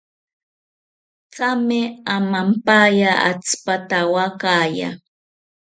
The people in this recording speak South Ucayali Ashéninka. Thame amampaya atzipatawakaya